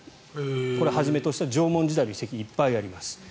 これをはじめとして縄文時代の遺跡がいっぱいあります。